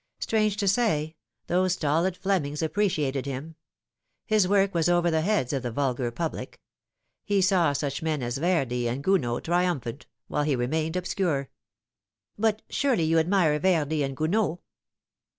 Strange to say, those stolid Flemings appreciated him. His work was over the heads of the vulgar public. He saw such men as Verdi and Gounod triumphant, while ho remained obscure." " But surely you admire Verdi and Gounod